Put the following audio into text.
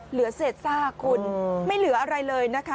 เหลือเศษซากคุณไม่เหลืออะไรเลยนะคะ